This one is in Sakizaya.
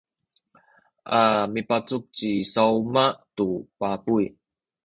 a mipacuk ci Sawmah tu pabuy.